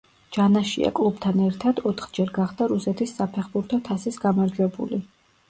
ჯანაშია კლუბთან ერთად ოთხჯერ გახდა რუსეთის საფეხბურთო თასის გამარჯვებული.